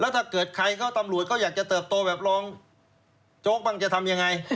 ถ้าเกิดใครเข้าตำรวจเขาอยากจะเติบโตแบบรองโจ๊กบ้างจะทำยังไง